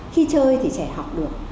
khi chơi thì trẻ học được